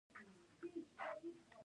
د یوکالیپټوس پاڼې د زکام لپاره وکاروئ